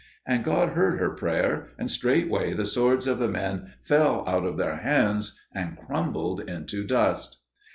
And God heard her prayer, and straightway the swords of the men fell out of their hands and crumbled into dust.